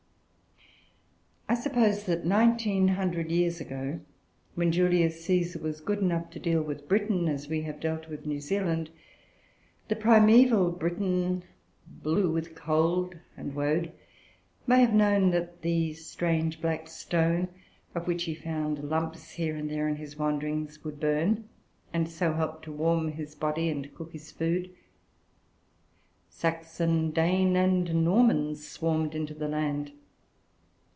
I suppose that nineteen hundred years ago, when Julius Caesar was good enough to deal with Britain as we have dealt with New Zealand, the primaeval Briton, blue with cold and woad, may have known that the strange black stone, of which he found lumps here and there in his wanderings, would burn, and so help to warm his body and cook his food. Saxon, Dane, and Norman swarmed into the land.